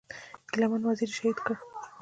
ګيله من وزير یې شهید کړ.